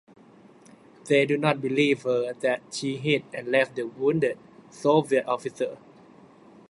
They do not believe her that she hid and left the wounded Soviet officer.